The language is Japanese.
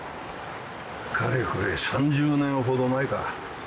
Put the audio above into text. かれこれ３０年ほど前か。